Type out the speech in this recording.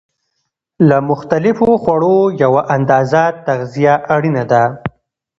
له مختلفو خوړو یوه اندازه تغذیه اړینه ده.